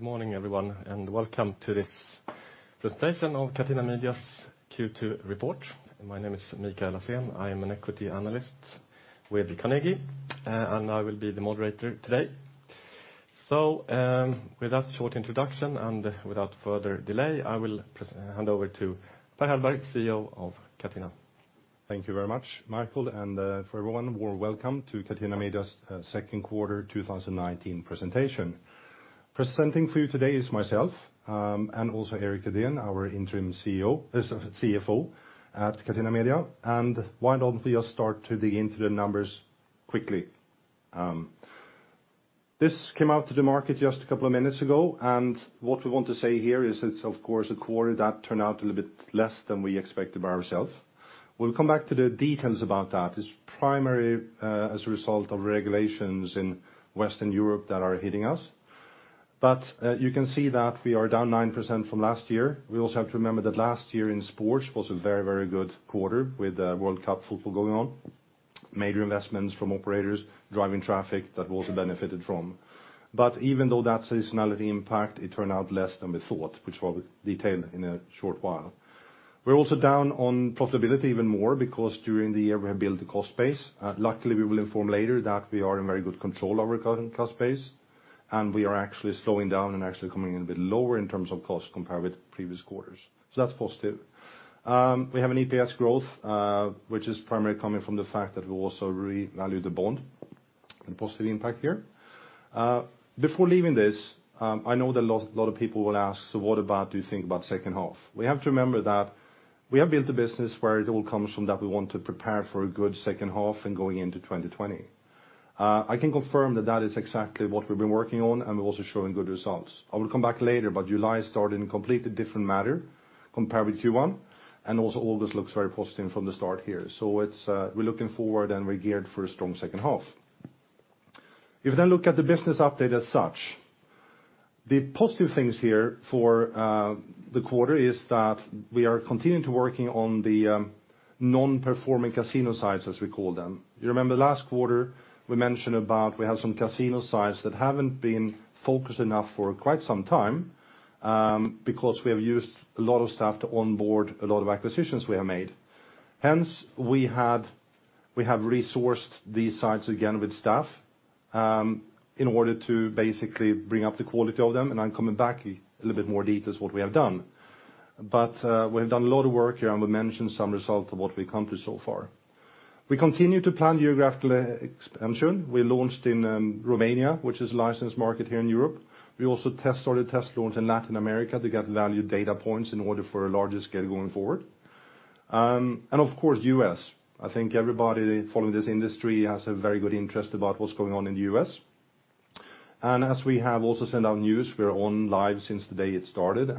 Good morning, everyone, and welcome to this presentation of Catena Media's Q2 report. My name is Mikael Lassen. I am an equity analyst with Carnegie, and I will be the moderator today. With that short introduction and without further delay, I will hand over to Per Hellberg, CEO of Catena. Thank you very much, Mikael, for everyone, warm welcome to Catena Media's second quarter 2019 presentation. Presenting for you today is myself, also Erik Edeen, our interim CFO at Catena Media. Why don't we just start to dig into the numbers quickly? This came out to the market just a couple of minutes ago, and what we want to say here is it's of course a quarter that turned out a little bit less than we expected by ourselves. We'll come back to the details about that. It's primarily as a result of regulations in Western Europe that are hitting us. You can see that we are down 9% from last year. We also have to remember that last year in sports was a very good quarter with World Cup football going on, major investments from operators, driving traffic, that was benefited from. Even though that seasonality impact, it turned out less than we thought, which I will detail in a short while. We're also down on profitability even more because during the year, we have built the cost base. Luckily, we will inform later that we are in very good control over cutting cost base, and we are actually slowing down and actually coming in a bit lower in terms of cost compared with previous quarters. That's positive. We have an EPS growth, which is primarily coming from the fact that we also revalued the bond and positive impact here. Before leaving this, I know that a lot of people will ask, what about do you think about second half? We have to remember that we have built a business where it all comes from that we want to prepare for a good second half and going into 2020. I can confirm that is exactly what we've been working on and we're also showing good results. I will come back later. July started in a completely different matter compared with Q1. Also, all this looks very positive from the start here. We're looking forward, and we're geared for a strong second half. If you look at the business update as such, the positive things here for the quarter is that we are continuing to working on the non-performing casino sites, as we call them. You remember last quarter, we mentioned about we have some casino sites that haven't been focused enough for quite some time, because we have used a lot of staff to onboard a lot of acquisitions we have made. We have resourced these sites again with staff, in order to basically bring up the quality of them, and I'm coming back a little bit more details what we have done. We have done a lot of work here, and we mentioned some result of what we come to so far. We continue to plan geographical expansion. We launched in Romania, which is a licensed market here in Europe. We also started test launches in Latin America to get value data points in order for a larger scale going forward. Of course, U.S. I think everybody following this industry has a very good interest about what's going on in the U.S. As we have also sent out news, we're on live since the day it started.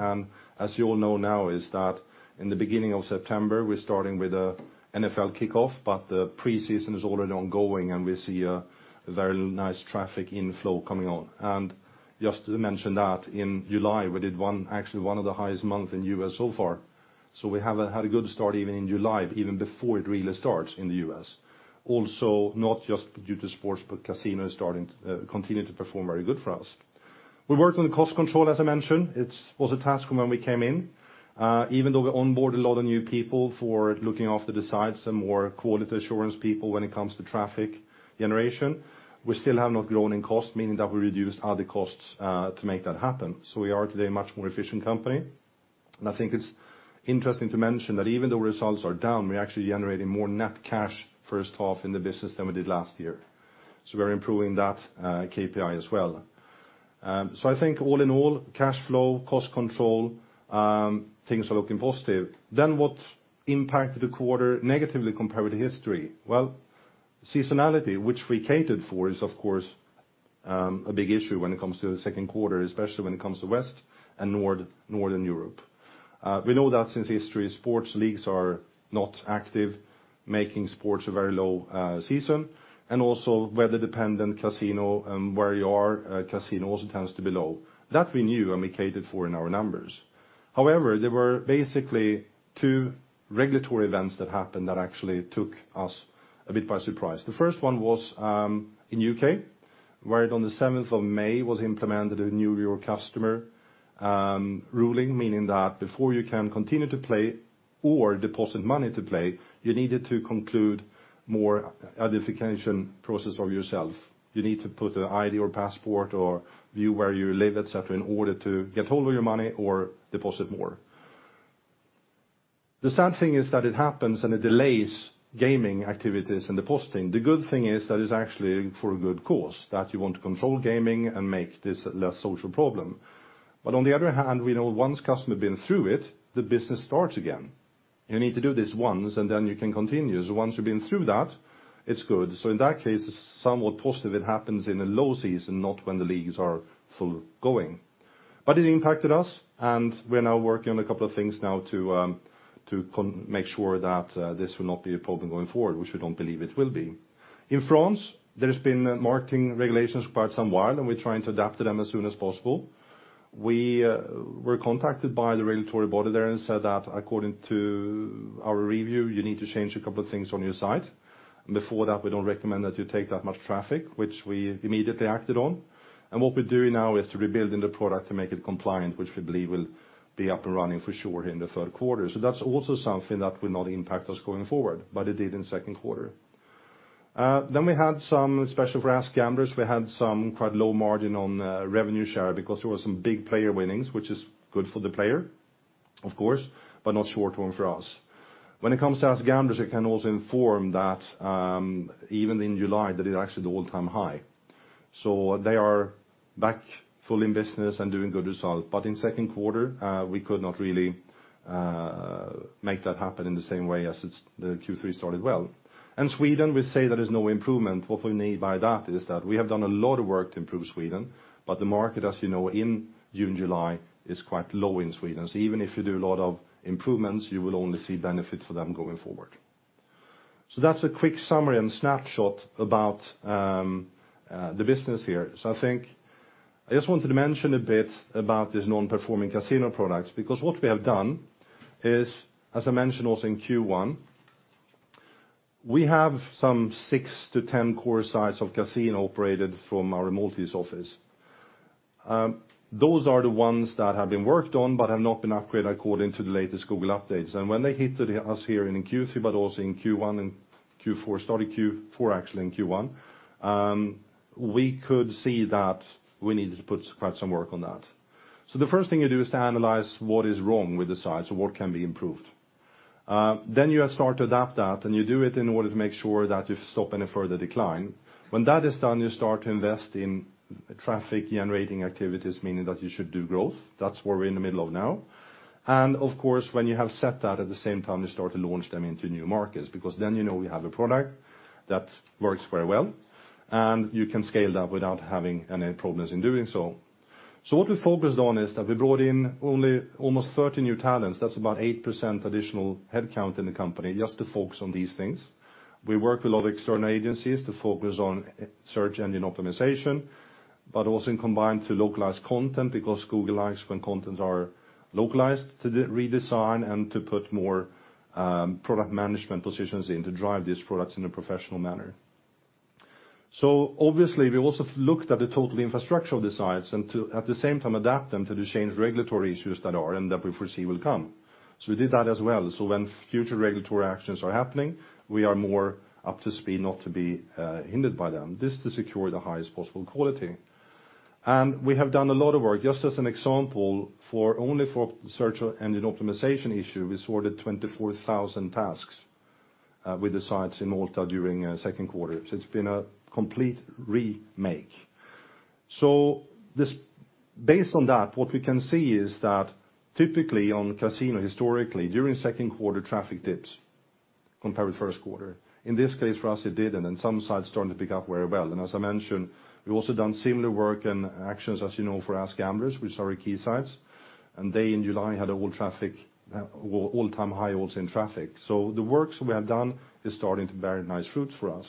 As you all know now is that in the beginning of September, we're starting with a NFL kickoff, but the preseason is already ongoing, and we see a very nice traffic inflow coming on. Just to mention that in July, we did actually one of the highest month in U.S. so far. We have had a good start even in July, even before it really starts in the U.S. Not just due to sports, but casino continuing to perform very good for us. We worked on cost control, as I mentioned. It was a task from when we came in. Even though we onboard a lot of new people for looking after the sites and more quality assurance people when it comes to traffic generation, we still have not grown in cost, meaning that we reduced other costs to make that happen. We are today a much more efficient company. I think it's interesting to mention that even though results are down, we're actually generating more net cash first half in the business than we did last year. We're improving that KPI as well. I think all in all, cash flow, cost control, things are looking positive. What impacted the quarter negatively compared with history? Well, seasonality, which we catered for, is of course, a big issue when it comes to the second quarter, especially when it comes to West and Northern Europe. We know that since history, sports leagues are not active, making sports a very low season, and also weather-dependent casino, and where you are, casino also tends to be low. That we knew and we catered for in our numbers. There were basically two regulatory events that happened that actually took us a bit by surprise. The first one was in U.K., where on the 7th of May was implemented a Know Your Customer ruling, meaning that before you can continue to play or deposit money to play, you needed to conclude more identification process of yourself. You need to put an ID or passport or view where you live, et cetera, in order to get hold of your money or deposit more. The sad thing is that it happens and it delays gaming activities and depositing. The good thing is that it's actually for a good cause, that you want to control gaming and make this less social problem. On the other hand, we know once customer been through it, the business starts again. You need to do this once and then you can continue. Once you've been through that, it's good. In that case, it's somewhat positive it happens in a low season, not when the leagues are full going. It impacted us, and we're now working on a couple of things now to make sure that this will not be a problem going forward, which we don't believe it will be. In France, there's been marketing regulations quite some while, and we're trying to adapt to them as soon as possible. We were contacted by the regulatory body there and said that according to our review, you need to change a couple of things on your site. Before that, we don't recommend that you take that much traffic, which we immediately acted on. What we're doing now is rebuilding the product to make it compliant, which we believe will be up and running for sure in the third quarter. That's also something that will not impact us going forward, but it did in second quarter. We had some, especially for AskGamblers, we had some quite low margin on revenue share because there were some big player winnings, which is good for the player, of course, but not short term for us. When it comes to AskGamblers, I can also inform that even in July, that is actually the all-time high. They are back full in business and doing good result. In second quarter, we could not really make that happen in the same way as the Q3 started well. In Sweden, we say there is no improvement. What we mean by that is that we have done a lot of work to improve Sweden, but the market, as you know, in June, July, is quite low in Sweden. Even if you do a lot of improvements, you will only see benefits for them going forward. That's a quick summary and snapshot about the business here. I think I just wanted to mention a bit about this non-performing casino products, because what we have done is, as I mentioned also in Q1, we have some six to 10 core sites of casino operated from our Maltese office. Those are the ones that have been worked on but have not been upgraded according to the latest Google updates. When they hit us here in Q3, but also in Q1 and Q4, started Q4, actually in Q1, we could see that we needed to put quite some work on that. The first thing you do is to analyze what is wrong with the sites and what can be improved. You start to adapt that, and you do it in order to make sure that you stop any further decline. When that is done, you start to invest in traffic-generating activities, meaning that you should do growth. That's where we're in the middle of now. Of course, when you have set that at the same time, you start to launch them into new markets, because then you know you have a product that works very well, and you can scale that without having any problems in doing so. What we focused on is that we brought in only almost 30 new talents. That's about 8% additional headcount in the company just to focus on these things. We work with a lot of external agencies to focus on search engine optimization, but also in combined to localized content, because Google likes when contents are localized to redesign and to put more product management positions in to drive these products in a professional manner. Obviously, we also looked at the total infrastructure of the sites and to, at the same time, adapt them to the changed regulatory issues that are and that we foresee will come. We did that as well. When future regulatory actions are happening, we are more up to speed not to be hindered by them. This to secure the highest possible quality. We have done a lot of work. Just as an example, only for search engine optimization issue, we sorted 24,000 tasks with the sites in Malta during second quarter. It's been a complete remake. Based on that, what we can see is that typically on casino, historically, during second quarter, traffic dips compared with first quarter. In this case, for us, it did, and then some sites started to pick up very well. As I mentioned, we've also done similar work and actions, as you know, for AskGamblers, which are our key sites. They, in July, had an all-time high also in traffic. The works we have done is starting to bear nice fruits for us.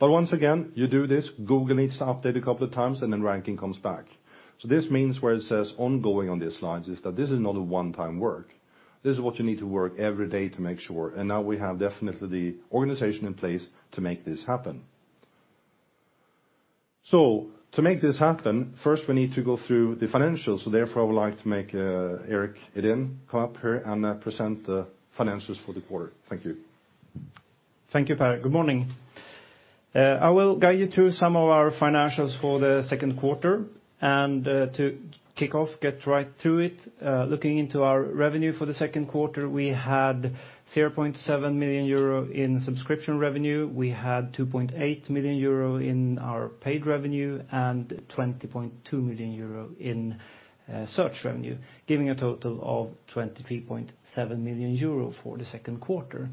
Once again, you do this, Google needs to update a couple of times, and then ranking comes back. This means where it says ongoing on this slide is that this is not a one-time work. This is what you need to work every day to make sure. Now we have definitely the organization in place to make this happen. To make this happen, first we need to go through the financials. Therefore, I would like to make Erik Edeen come up here and present the financials for the quarter. Thank you. Thank you, Per. Good morning. I will guide you through some of our financials for the second quarter. To kick off, get right to it, looking into our revenue for the second quarter, we had 0.7 million euro in subscription revenue. We had 2.8 million euro in our paid revenue and 20.2 million euro in search revenue, giving a total of 23.7 million euro for the second quarter.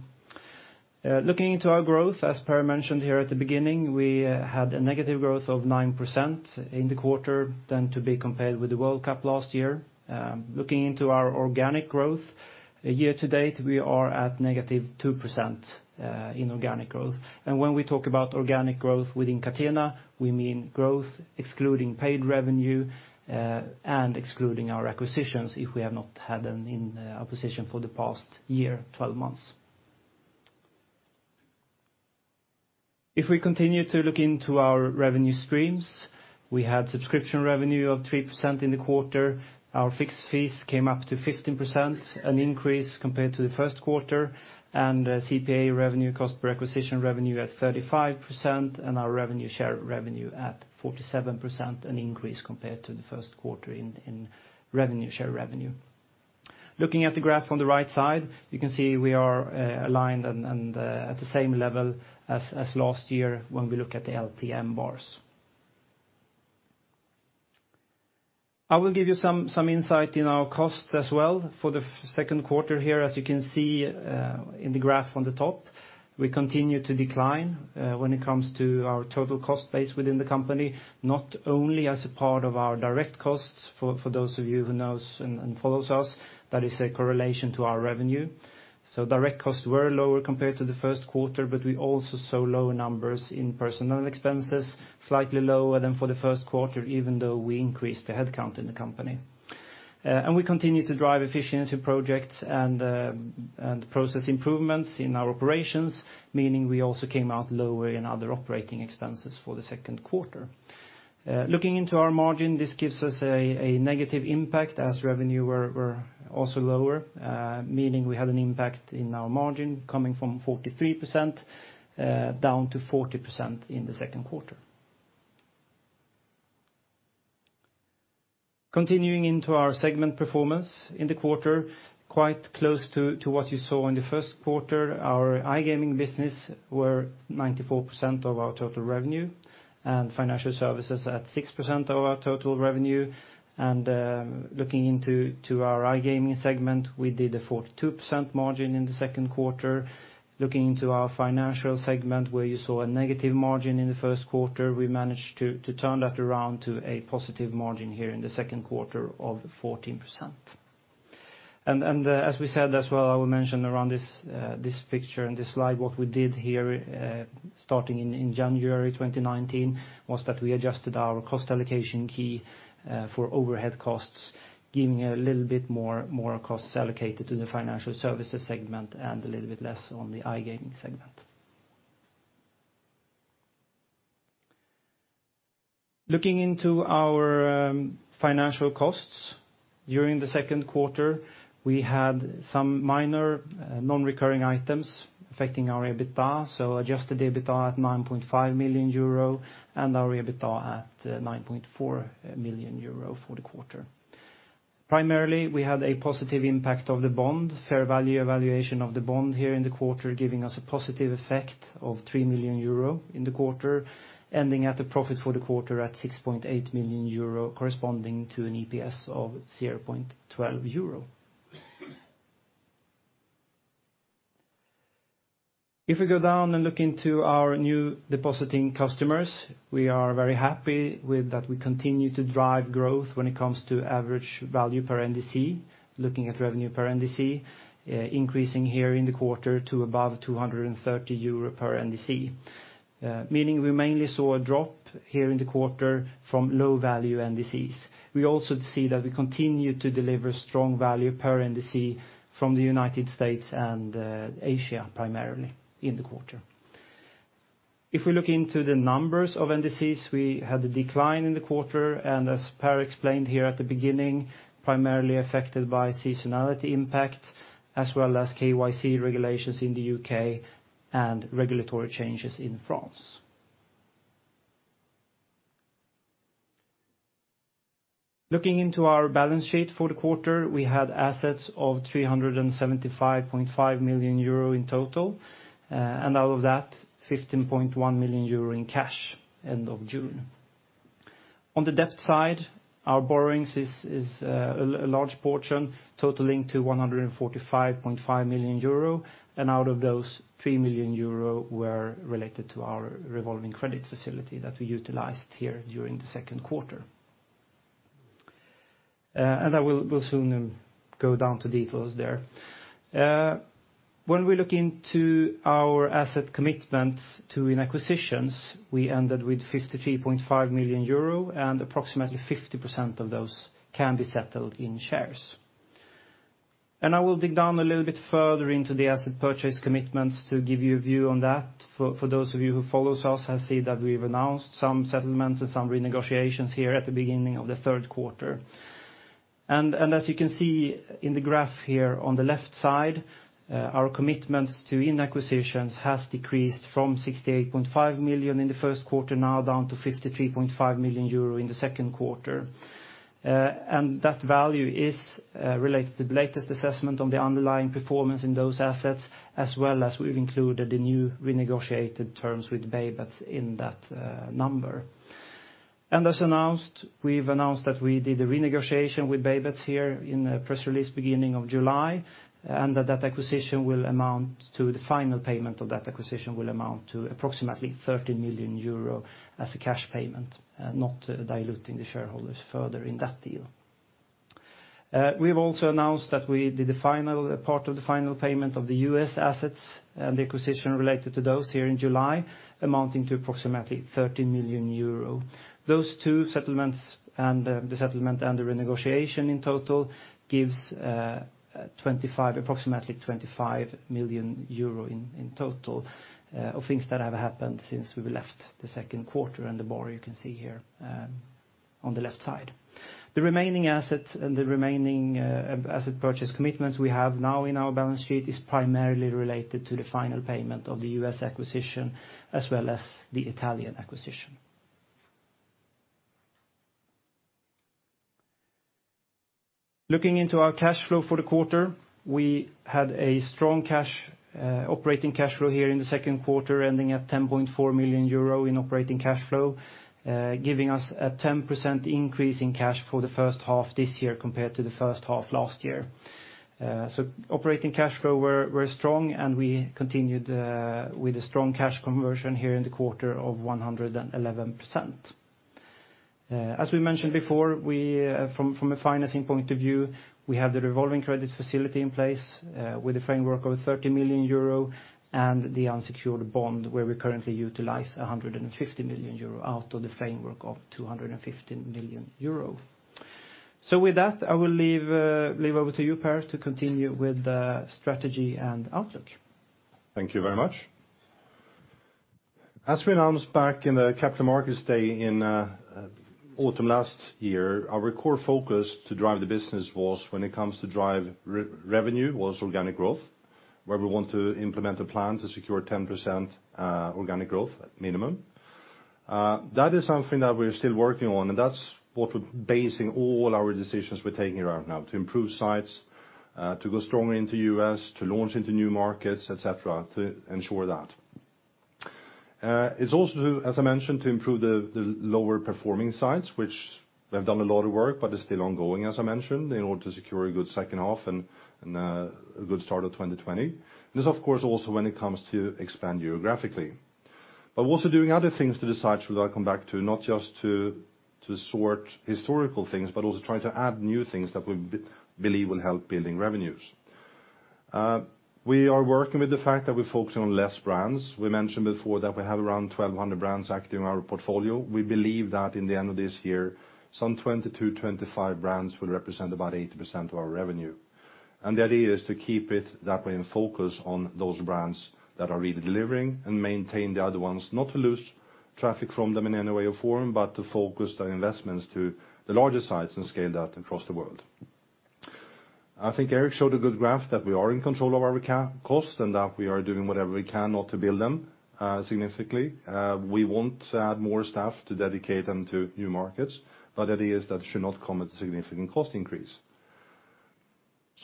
Looking into our growth, as Per mentioned here at the beginning, we had a negative growth of 9% in the quarter to be compared with the World Cup last year. Looking into our organic growth year to date, we are at negative 2% in organic growth. When we talk about organic growth within Catena, we mean growth excluding paid revenue and excluding our acquisitions if we have not had an acquisition for the past year, 12 months. If we continue to look into our revenue streams, we had subscription revenue of 3% in the quarter. Our fixed fees came up to 15%, an increase compared to the first quarter, and CPA revenue, cost per acquisition revenue, at 35%, and our revenue share revenue at 47%, an increase compared to the first quarter in revenue share revenue. Looking at the graph on the right side, you can see we are aligned and at the same level as last year when we look at the LTM bars. I will give you some insight in our costs as well for the second quarter here. As you can see in the graph on the top, we continue to decline when it comes to our total cost base within the company, not only as a part of our direct costs, for those of you who knows and follows us, that is a correlation to our revenue. Direct costs were lower compared to the first quarter, but we also saw lower numbers in personal expenses, slightly lower than for the first quarter, even though we increased the headcount in the company. We continue to drive efficiency projects and process improvements in our operations, meaning we also came out lower in other operating expenses for the second quarter. Looking into our margin, this gives us a negative impact as revenue were also lower, meaning we had an impact in our margin coming from 43% down to 40% in the second quarter. Continuing into our segment performance in the quarter, quite close to what you saw in the first quarter, our iGaming business were 94% of our total revenue, and financial services at 6% of our total revenue. Looking into our iGaming segment, we did a 42% margin in the second quarter. Looking into our financial segment, where you saw a negative margin in the first quarter, we managed to turn that around to a positive margin here in the second quarter of 14%. As we said as well, I will mention around this picture and this slide, what we did here, starting in January 2019, was that we adjusted our cost allocation key for overhead costs, giving a little bit more costs allocated to the financial services segment and a little bit less on the iGaming segment. Looking into our financial costs, during the second quarter, we had some minor non-recurring items affecting our EBITDA, adjusted EBITDA at 9.5 million euro and our EBITDA at 9.4 million euro for the quarter. Primarily, we had a positive impact of the bond, fair value evaluation of the bond here in the quarter, giving us a positive effect of 3 million euro in the quarter, ending at a profit for the quarter at 6.8 million euro, corresponding to an EPS of 0.12 euro. If we go down and look into our new depositing customers, we are very happy with that we continue to drive growth when it comes to average value per NDC, looking at revenue per NDC, increasing here in the quarter to above 230 euro per NDC. Meaning we mainly saw a drop here in the quarter from low-value NDCs. We also see that we continue to deliver strong value per NDC from the U.S. and Asia primarily in the quarter. If we look into the numbers of NDCs, we had a decline in the quarter, and as Per explained here at the beginning, primarily affected by seasonality impact as well as KYC regulations in the U.K. and regulatory changes in France. Looking into our balance sheet for the quarter, we had assets of 375.5 million euro in total, and out of that, 15.1 million euro in cash end of June. On the debt side, our borrowings is a large portion totaling to 145.5 million euro, and out of those, 3 million euro were related to our revolving credit facility that we utilized here during the second quarter. I will soon go down to details there. When we look into our asset commitments to in acquisitions, we ended with 53.5 million euro and approximately 50% of those can be settled in shares. I will dig down a little bit further into the asset purchase commitments to give you a view on that. For those of you who follows us have seen that we've announced some settlements and some renegotiations here at the beginning of the third quarter. As you can see in the graph here on the left side, our commitments to in acquisitions has decreased from 68.5 million in the first quarter, now down to 53.5 million euro in the second quarter. That value is related to the latest assessment on the underlying performance in those assets, as well as we've included the new renegotiated terms with Baybets in that number. As announced, we've announced that we did a renegotiation with Baybets here in a press release beginning of July, and that acquisition will amount to the final payment of that acquisition will amount to approximately 30 million euro as a cash payment, not diluting the shareholders further in that deal. We have also announced that we did the final payment of the U.S. assets and the acquisition related to those here in July, amounting to approximately 30 million euro. Those two settlements and the renegotiation in total gives approximately 25 million euro in total of things that have happened since we left the second quarter and the bar you can see here on the left side. The remaining assets and the remaining asset purchase commitments we have now in our balance sheet is primarily related to the final payment of the U.S. acquisition as well as the Italian acquisition. Looking into our cash flow for the quarter, we had a strong operating cash flow here in the second quarter, ending at 10.4 million euro in operating cash flow, giving us a 10% increase in cash for the first half this year compared to the first half last year. Operating cash flow were strong, and we continued with a strong cash conversion here in the quarter of 111%. As we mentioned before, from a financing point of view, we have the revolving credit facility in place with a framework of 30 million euro and the unsecured bond, where we currently utilize 150 million euro out of the framework of 250 million euro. With that, I will leave over to you, Per, to continue with the strategy and outlook. Thank you very much. As we announced back in the capital markets day in autumn last year, our core focus to drive the business was when it comes to drive revenue was organic growth, where we want to implement a plan to secure 10% organic growth at minimum. That is something that we're still working on, and that's what we're basing all our decisions we're taking around now to improve sites, to go stronger into U.S., to launch into new markets, et cetera, to ensure that. It's also, as I mentioned, to improve the lower performing sites, which we have done a lot of work, but it's still ongoing, as I mentioned, in order to secure a good second half and a good start of 2020. This, of course, also when it comes to expand geographically. We are also doing other things to the sites, which I'll come back to, not just to sort historical things, but also trying to add new things that we believe will help building revenues. We are working with the fact that we're focusing on less brands. We mentioned before that we have around 1,200 brands active in our portfolio. We believe that in the end of this year, some 20 to 25 brands will represent about 80% of our revenue. The idea is to keep it that way and focus on those brands that are really delivering and maintain the other ones, not to lose traffic from them in any way or form, but to focus the investments to the larger sites and scale that across the world. I think Erik showed a good graph that we are in control of our costs and that we are doing whatever we can not to build them significantly. We want to add more staff to dedicate them to new markets, but the idea is that should not come at a significant cost increase.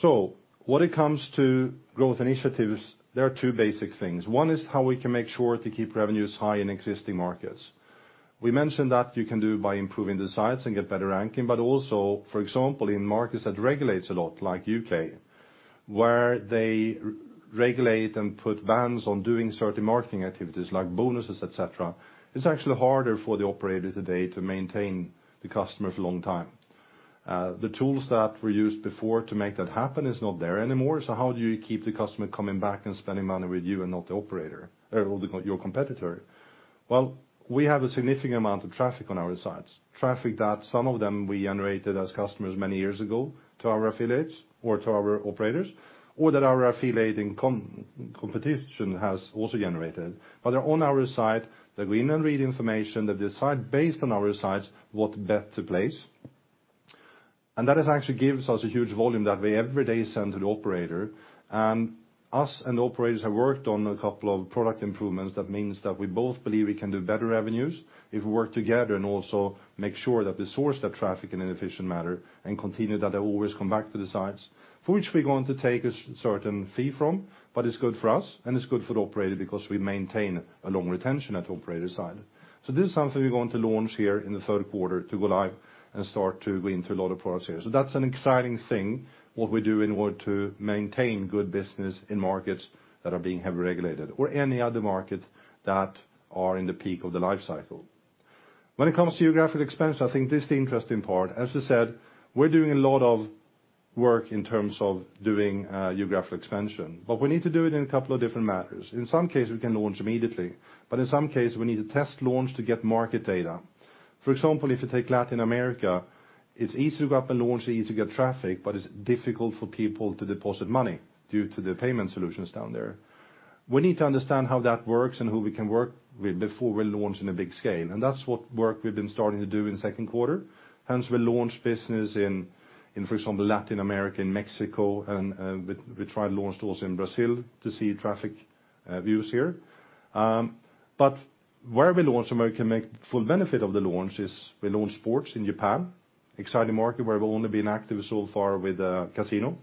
When it comes to growth initiatives, there are two basic things. One is how we can make sure to keep revenues high in existing markets. We mentioned that you can do by improving the sites and get better ranking, but also, for example, in markets that regulates a lot, like U.K., where they regulate and put bans on doing certain marketing activities like bonuses, et cetera, it's actually harder for the operator today to maintain the customers long time. The tools that were used before to make that happen is not there anymore. How do you keep the customer coming back and spending money with you and not your competitor? We have a significant amount of traffic on our sites. Traffic that some of them we generated as customers many years ago to our affiliates or to our operators, or that our affiliating competition has also generated. They're on our site, they go in and read information, they decide based on our sites what bet to place. That actually gives us a huge volume that we every day send to the operator. Us and the operators have worked on a couple of product improvements. That means that we both believe we can do better revenues if we work together and also make sure that we source that traffic in an efficient manner and continue that they always come back to the sites, for which we're going to take a certain fee from, but it's good for us and it's good for the operator because we maintain a long retention at the operator side. This is something we're going to launch here in the third quarter to go live and start to go into a lot of products here. That's an exciting thing, what we do in order to maintain good business in markets that are being heavily regulated or any other market that are in the peak of the life cycle. When it comes to geographic expansion, I think this is the interesting part. As we said, we're doing a lot of work in terms of doing geographical expansion. We need to do it in a couple of different matters. In some cases, we can launch immediately. In some cases, we need to test launch to get market data. For example, if you take Latin America, it's easy to go up and launch, it's easy to get traffic. It's difficult for people to deposit money due to the payment solutions down there. We need to understand how that works and who we can work with before we launch in a big scale. That's what work we've been starting to do in the second quarter. Hence, we launched business in, for example, Latin America and Mexico, and we tried launch also in Brazil to see traffic views here. Where we launch and where we can make full benefit of the launch is we launch sports in Japan, exciting market where we've only been active so far with casino.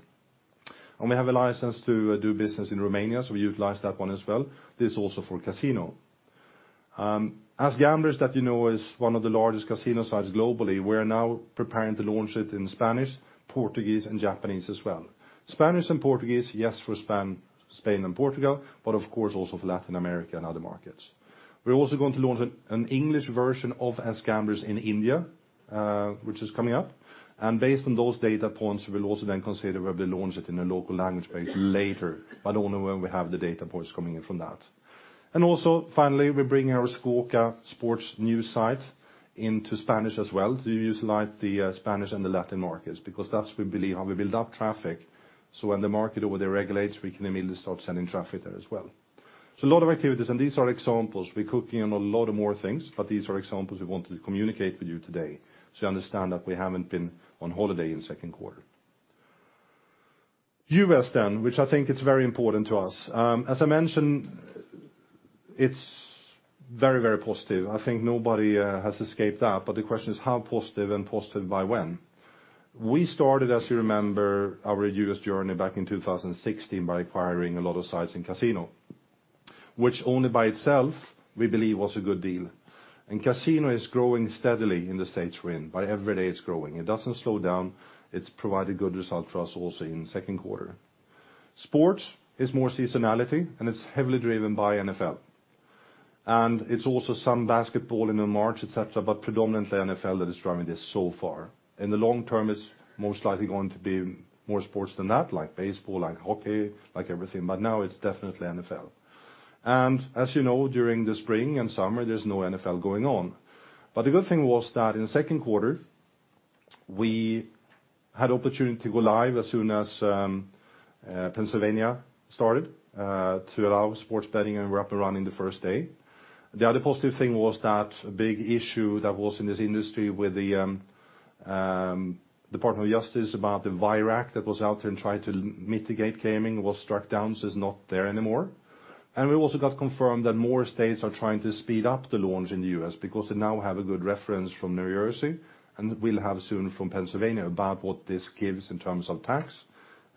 We have a license to do business in Romania, so we utilize that one as well. This is also for casino. AskGamblers that you know is one of the largest casino sites globally, we're now preparing to launch it in Spanish, Portuguese, and Japanese as well. Spanish and Portuguese, yes, for Spain and Portugal, but of course also for Latin America and other markets. We're also going to launch an English version of AskGamblers in India, which is coming up. Based on those data points, we will also then consider whether to launch it in a local language base later, but only when we have the data points coming in from that. Also, finally, we're bringing our Squawka sports news site into Spanish as well to utilize the Spanish and the Latin markets, because that's we believe how we build up traffic, when the market over there regulates, we can immediately start sending traffic there as well. A lot of activities, and these are examples. We're cooking on a lot of more things, these are examples we wanted to communicate with you today so you understand that we haven't been on holiday in second quarter. U.S., which I think it's very important to us. As I mentioned, it's very positive. I think nobody has escaped that. The question is, how positive and positive by when? We started, as you remember, our U.S. journey back in 2016 by acquiring a lot of sites in casino, which only by itself we believe was a good deal. Casino is growing steadily in the States for him. By every day it's growing. It doesn't slow down. It's provided good result for us also in second quarter. Sports is more seasonality, and it's heavily driven by NFL. It's also some basketball in March, et cetera, but predominantly NFL that is driving this so far. In the long term, it's most likely going to be more sports than that, like baseball, like hockey, like everything. Now it's definitely NFL. As you know, during the spring and summer, there's no NFL going on. The good thing was that in the second quarter, we had opportunity to go live as soon as Pennsylvania started to allow sports betting, and we're up and running the first day. The other positive thing was that a big issue that was in this industry with the Department of Justice about the Wire Act that was out there and tried to mitigate gaming was struck down. It's not there anymore. We also got confirmed that more states are trying to speed up the launch in the U.S. because they now have a good reference from New Jersey, and we'll have soon from Pennsylvania, about what this gives in terms of tax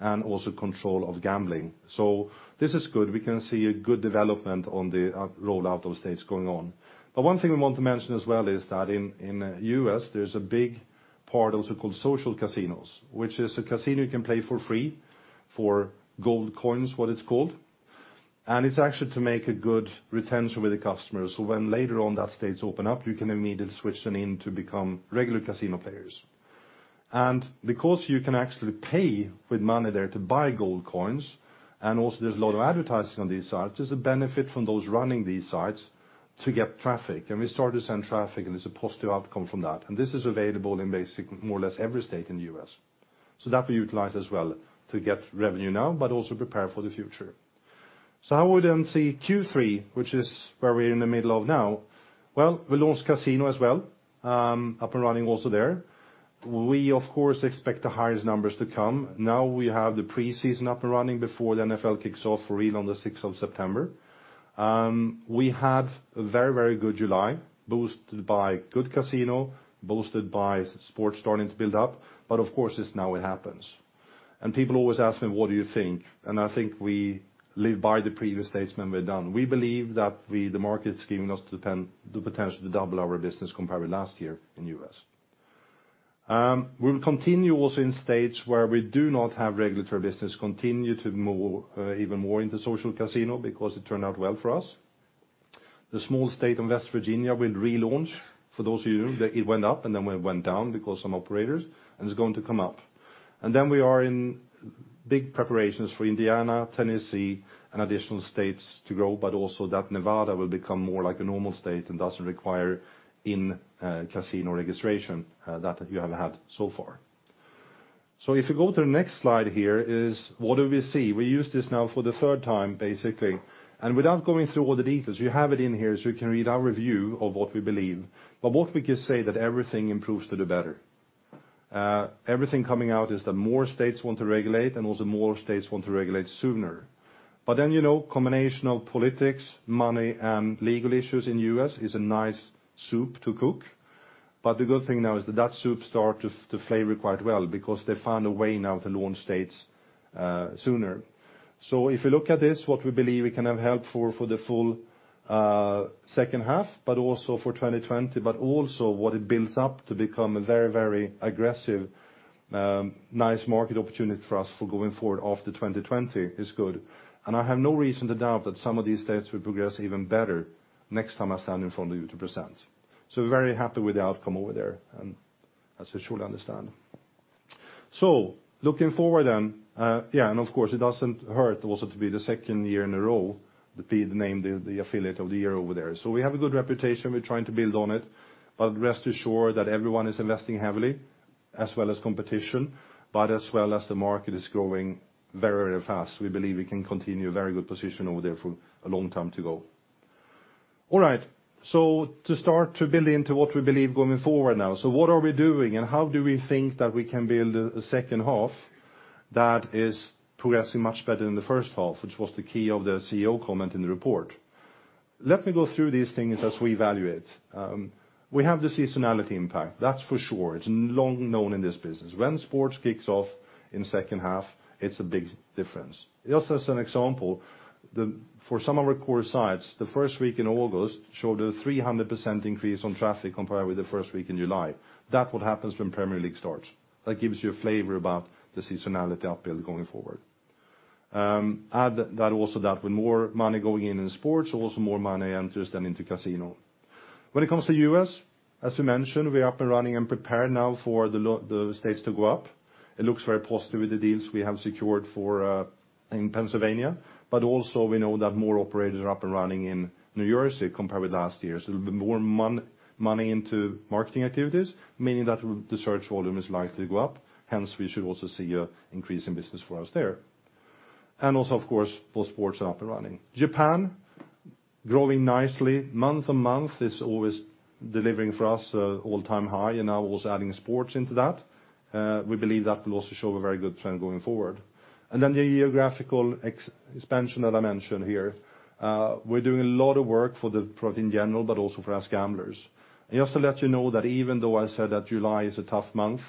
and also control of gambling. This is good. We can see a good development on the rollout of states going on. One thing we want to mention as well is that in the U.S. there's a big part also called social casinos, which is a casino you can play for free for gold coins, what it's called, and it's actually to make a good retention with the customers. When later on that states open up, you can immediately switch them in to become regular casino players. Because you can actually pay with money there to buy gold coins, and also there's a lot of advertising on these sites, there's a benefit from those running these sites to get traffic. We start to send traffic, and there's a positive outcome from that. This is available in basic, more or less every state in the U.S. That we utilize as well to get revenue now, but also prepare for the future. How would then see Q3, which is where we're in the middle of now? Well, we launched casino as well, up and running also there. We, of course, expect the highest numbers to come. Now we have the preseason up and running before the NFL kicks off for real on the 6th of September. We had a very good July, boosted by good casino, boosted by sports starting to build up. Of course, it's now it happens. People always ask me, "What do you think?" I think we live by the previous statements we've done. We believe that the market is giving us the potential to double our business compared with last year in U.S. We will continue also in states where we do not have regulatory business, continue to move even more into social casino because it turned out well for us. The small state of West Virginia will relaunch for those of you. It went up and then it went down because some operators, and it's going to come up. We are in big preparations for Indiana, Tennessee, and additional states to grow, but also that Nevada will become more like a normal state and doesn't require in-casino registration that you have had so far. If you go to the next slide here is, what do we see? We use this now for the third time, basically. Without going through all the details, you have it in here, so you can read our review of what we believe. What we can say that everything improves to the better. Everything coming out is that more states want to regulate, and also more states want to regulate sooner. Combination of politics, money, and legal issues in the U.S. is a nice soup to cook. The good thing now is that that soup starts to flavor quite well because they found a way now to launch states sooner. If you look at this, what we believe we can have help for the full second half, but also for 2020, but also what it builds up to become a very aggressive, nice market opportunity for us for going forward after 2020 is good. I have no reason to doubt that some of these states will progress even better next time I stand in front of you to present. Very happy with the outcome over there, and as you should understand. Looking forward then, and of course, it doesn't hurt also to be the second year in a row to be the name the Affiliate of the Year over there. We have a good reputation. We're trying to build on it. Rest assured that everyone is investing heavily, as well as competition, but as well as the market is growing very fast. We believe we can continue a very good position over there for a long time to go. All right. To start to build into what we believe going forward now. What are we doing and how do we think that we can build a second half that is progressing much better than the first half, which was the key of the CEO comment in the report? Let me go through these things as we evaluate. We have the seasonality impact, that's for sure. It's long known in this business. When sports kicks off in second half, it's a big difference. Just as an example, for some of our core sites, the first week in August showed a 300% increase on traffic compared with the first week in July. That's what happens when Premier League starts. That gives you a flavor about the seasonality uphill going forward. Add that also that with more money going in sports, also more money enters then into casino. When it comes to U.S., as we mentioned, we're up and running and prepared now for the states to go up. It looks very positive with the deals we have secured in Pennsylvania. We know that more operators are up and running in New Jersey compared with last year. A little bit more money into marketing activities, meaning that the search volume is likely to go up. Hence, we should also see an increase in business for us there. Also, of course, for sports up and running. Japan, growing nicely month-on-month is always delivering for us all-time high, and now also adding sports into that. We believe that will also show a very good trend going forward. Then the geographical expansion that I mentioned here. We're doing a lot of work for the product in general, but also for AskGamblers. I also let you know that even though I said that July is a tough month,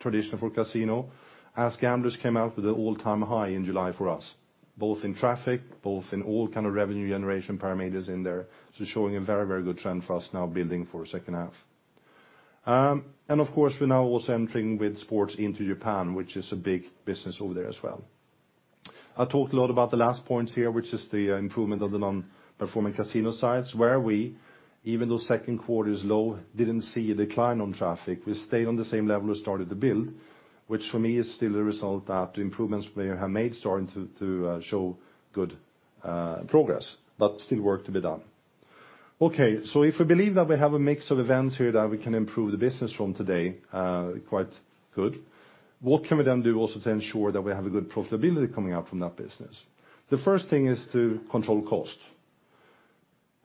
traditional for casino, AskGamblers came out with an all-time high in July for us, both in traffic, both in all kind of revenue generation parameters in there. Showing a very good trend for us now building for second half. Of course, we're now also entering with sports into Japan, which is a big business over there as well. I talked a lot about the last point here, which is the improvement of the non-performing casino sites where we, even though second quarter is low, didn't see a decline on traffic. We stayed on the same level we started to build. Which for me is still a result that the improvements we have made starting to show good progress, but still work to be done. If we believe that we have a mix of events here that we can improve the business from today quite good, what can we then do also to ensure that we have a good profitability coming out from that business? The first thing is to control cost.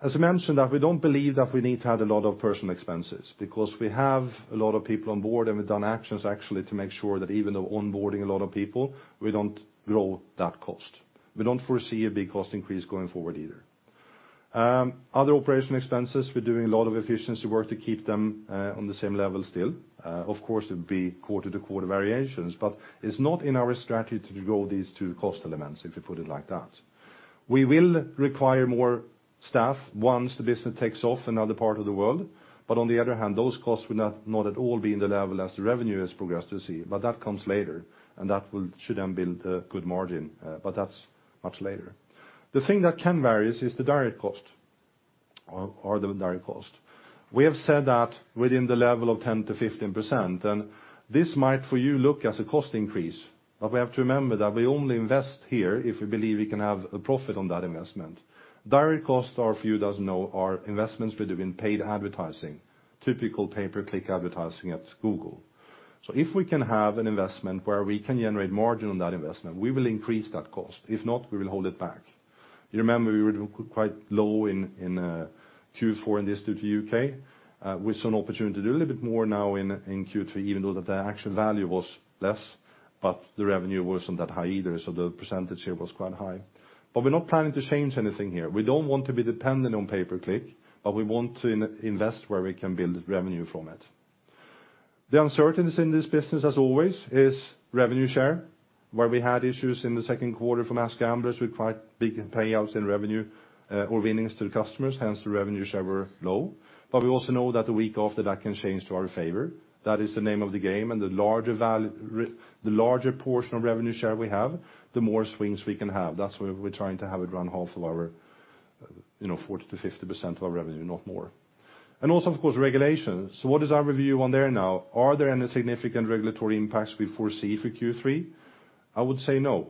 As I mentioned that we don't believe that we need to add a lot of personal expenses, because we have a lot of people on board, and we've done actions actually to make sure that even though onboarding a lot of people, we don't grow that cost. We don't foresee a big cost increase going forward either. Other operational expenses, we're doing a lot of efficiency work to keep them on the same level still. Of course, it'll be quarter-to-quarter variations, but it's not in our strategy to grow these two cost elements, if we put it like that. We will require more staff once the business takes off another part of the world. On the other hand, those costs will not at all be in the level as the revenue has progressed to see. That comes later, and that should then build a good margin. That's much later. The thing that can vary is the direct cost. We have said that within the level of 10%-15%, this might for you look as a cost increase. We have to remember that we only invest here if we believe we can have a profit on that investment. Direct costs are, for you who doesn't know, are investments we do in paid advertising, typical pay-per-click advertising at Google. If we can have an investment where we can generate margin on that investment, we will increase that cost. If not, we will hold it back. You remember we were quite low in Q4 and this due to U.K. We saw an opportunity to do a little bit more now in Q3, even though the actual value was less, the revenue wasn't that high either, so the percentage here was quite high. We're not planning to change anything here. We don't want to be dependent on pay-per-click, we want to invest where we can build revenue from it. The uncertainties in this business, as always, is revenue share, where we had issues in the second quarter from AskGamblers with quite big payouts in revenue or winnings to the customers, hence the revenue share were low. We also know that the week after that can change to our favor. That is the name of the game, the larger portion of revenue share we have, the more swings we can have. That's why we're trying to have it around half of our 40%-50% of our revenue, not more. Also, of course, regulation. What is our review on there now? Are there any significant regulatory impacts we foresee for Q3? I would say no.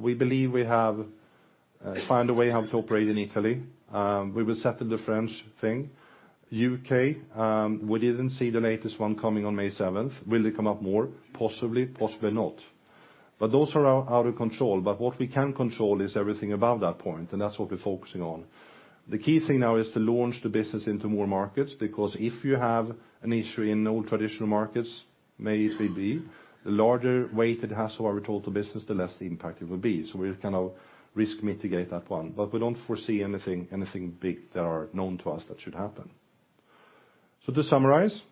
We believe we have found a way how to operate in Italy. We will settle the French thing. U.K., we didn't see the latest one coming on May 7th. Will it come up more? Possibly, possibly not. Those are out of control. What we can control is everything above that point, and that's what we're focusing on. The key thing now is to launch the business into more markets, because if you have an issue in all traditional markets, may it be, the larger weight it has to our total business, the less the impact it will be. We'll risk mitigate that one. We don't foresee anything big that are known to us that should happen. To summarize,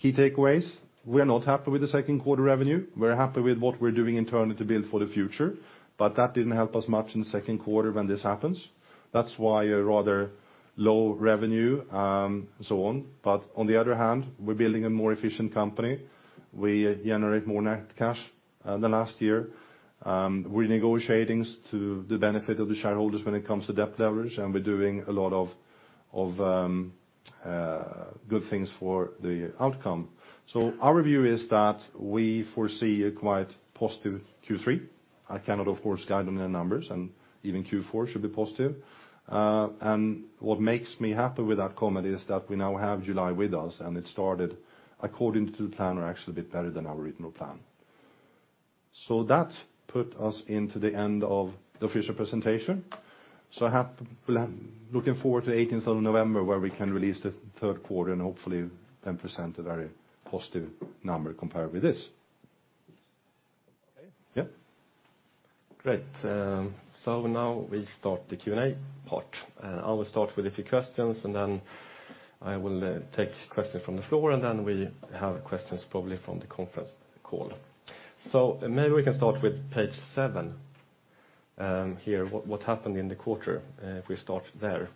key takeaways, we are not happy with the second quarter revenue. We're happy with what we're doing internally to build for the future, but that didn't help us much in the second quarter when this happens. That's why a rather low revenue, and so on. On the other hand, we're building a more efficient company. We generate more net cash than last year. We're negotiating to the benefit of the shareholders when it comes to debt leverage, and we're doing a lot of good things for the outcome. Our view is that we foresee a quite positive Q3. I cannot, of course, guide on their numbers, and even Q4 should be positive. What makes me happy with that comment is that we now have July with us, and it started according to plan or actually a bit better than our original plan. That put us into the end of the official presentation. Looking forward to 18th of November where we can release the third quarter and hopefully then present a very positive number compared with this. Okay. Yeah. Great. Now we start the Q&A part. I will start with a few questions, and then I will take questions from the floor, and then we have questions probably from the conference call. Maybe we can start with page seven here, what happened in the quarter, if we start there.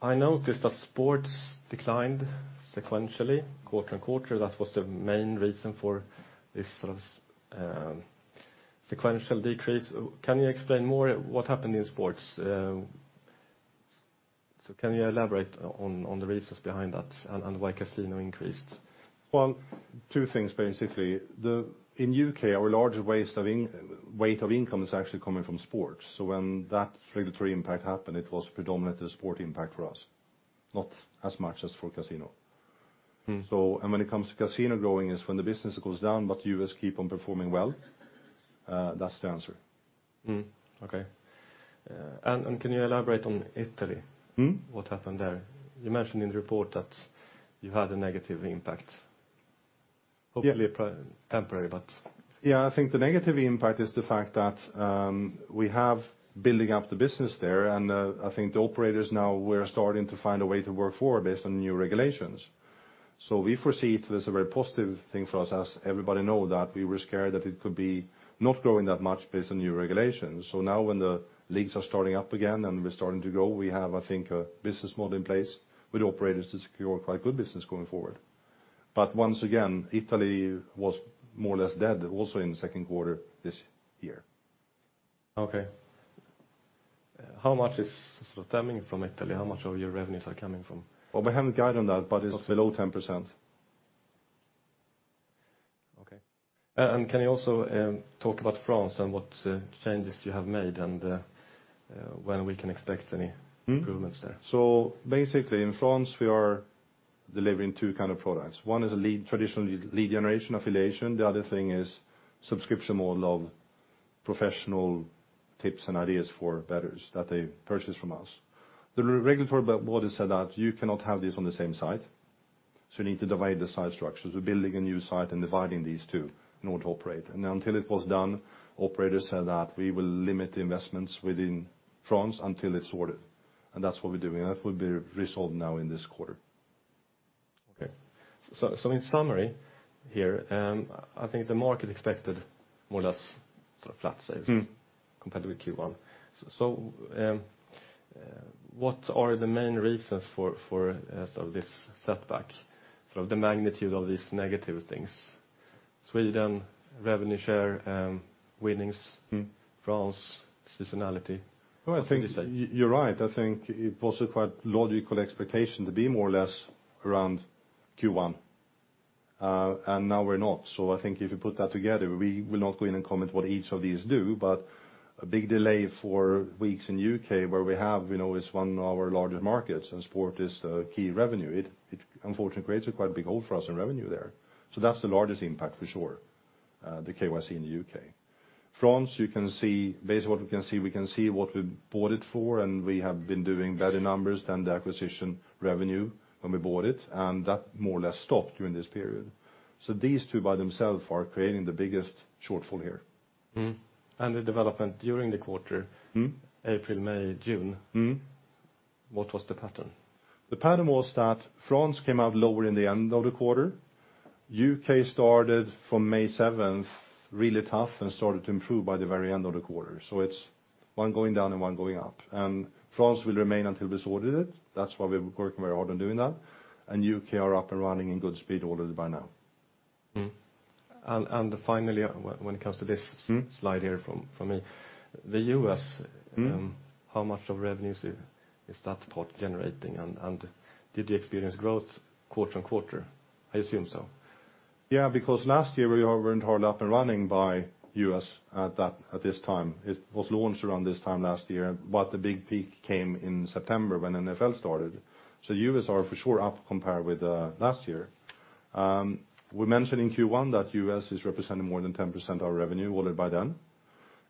I noticed that sports declined sequentially, quarter-on-quarter. That was the main reason for this sort of sequential decrease. Can you explain more what happened in sports? Can you elaborate on the reasons behind that and why casino increased? Well, two things basically. In U.K., our larger weight of income is actually coming from sports. When that regulatory impact happened, it was predominantly a sport impact for us, not as much as for casino. When it comes to casino growing is when the business goes down, but U.S. keep on performing well. That's the answer. Okay. Can you elaborate on Italy? What happened there? You mentioned in the report that you had a negative impact. Yeah. Hopefully temporary, but. Yeah, I think the negative impact is the fact that we have building up the business there. I think the operators now we're starting to find a way to work forward based on new regulations. We foresee it as a very positive thing for us as everybody know that we were scared that it could be not growing that much based on new regulations. Now when the leagues are starting up again and we're starting to grow, we have, I think, a business model in place with operators to secure quite good business going forward. Once again, Italy was more or less dead also in the second quarter this year. Okay. How much is stemming from Italy? How much of your revenues are coming from? We haven't guided on that, but it's below 10%. Okay. Can you also talk about France and what changes you have made, and when we can expect any improvements there? In France, we are delivering two kind of products. One is a traditional lead generation affiliation. The other thing is subscription model of professional tips and ideas for bettors that they purchase from us. The regulatory board has said that you cannot have this on the same site, so you need to divide the site structures. We're building a new site and dividing these two in order to operate. Until it was done, operators said that we will limit investments within France until it's sorted, and that's what we're doing. That will be resolved now in this quarter. Okay. In summary here, I think the market expected more or less sort of flat sales. compared with Q1. What are the main reasons for this setback? The magnitude of these negative things, Sweden, revenue share, and winnings. France, seasonality. No, I think you're right. I think it was a quite logical expectation to be more or less around Q1, and now we're not. I think if you put that together, we will not go in and comment what each of these do, but a big delay for weeks in the U.K. It's one of our largest markets and sport is the key revenue. It unfortunately creates a quite big hole for us in revenue there. That's the largest impact, for sure, the KYC in the U.K. France, based on what we can see, we can see what we bought it for, and we have been doing better numbers than the acquisition revenue when we bought it, and that more or less stopped during this period. These two by themselves are creating the biggest shortfall here. The development during the quarter. April, May, June. What was the pattern? The pattern was that France came out lower in the end of the quarter. U.K. started from May 7th really tough and started to improve by the very end of the quarter. It's one going down and one going up. France will remain until we sorted it. That's why we're working very hard on doing that. U.K. are up and running in good speed ordered by now. Finally, when it comes to this slide here from me, the U.S.- How much of revenues is that part generating, and did you experience growth quarter-on-quarter? I assume so. Because last year we weren't hardly up and running by U.S. at this time. It was launched around this time last year, but the big peak came in September when NFL started. U.S. are for sure up compared with last year. We mentioned in Q1 that U.S. is representing more than 10% our revenue ordered by then.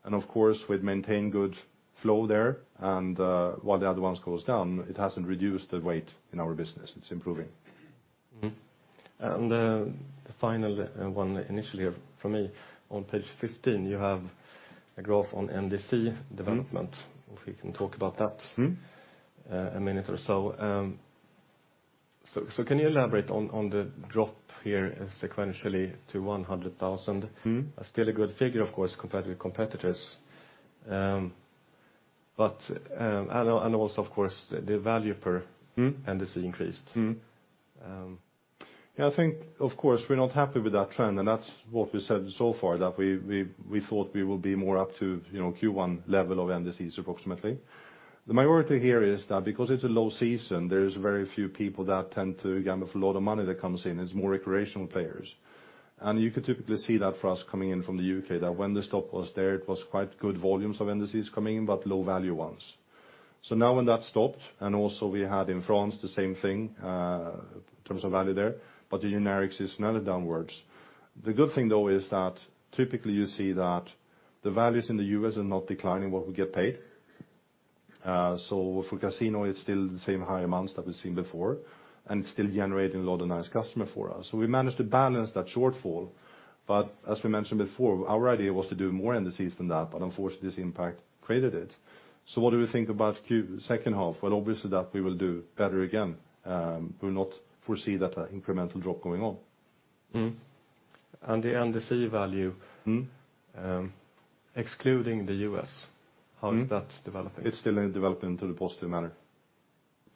Of course, we'd maintained good flow there, and while the other ones goes down, it hasn't reduced the weight in our business. It's improving. The final one initially from me, on page 15, you have a graph on NDC development. If we can talk about that. a minute or so. Can you elaborate on the drop here sequentially to 100,000? Still a good figure, of course, compared with competitors. Also, of course, the value per- NDC increased. Yeah, I think, of course, we're not happy with that trend. That's what we said so far that we thought we will be more up to Q1 level of NDCs approximately. The majority here is that because it's a low season, there is very few people that tend to gamble. A lot of money that comes in is more recreational players. You could typically see that for us coming in from the U.K., that when the stock was there, it was quite good volumes of NDCs coming in, but low value ones. Now when that stopped, also we had in France the same thing, in terms of value there. The generic is another downwards. The good thing, though, is that typically you see that the values in the U.S. are not declining what we get paid. For casino, it's still the same high amounts that we've seen before, and it's still generating a lot of nice customer for us. We managed to balance that shortfall, but as we mentioned before, our idea was to do more NDCs than that, but unfortunately, this impact created it. What do we think about second half? Well, obviously, that we will do better again. We will not foresee that incremental drop going on. The NDC value. excluding the U.S.- how is that developing? It's still developing to the positive manner.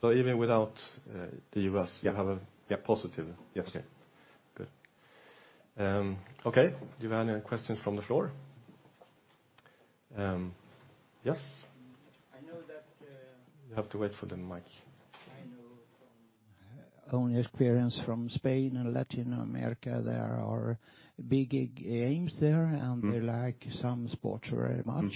Even without the US. Yeah you have a- Yeah, positive. Yes. Okay. Good. Okay, do you have any questions from the floor? Yes. I know that- You have to wait for the mic. I know from own experience from Spain and Latin America, there are big games there. They like some sports very much.